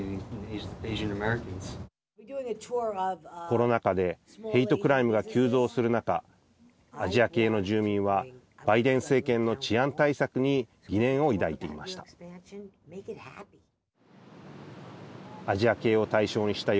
コロナ禍でヘイトクライムが急増する中アジア系の住民はバイデン政権の治安対策に疑念を抱いていました。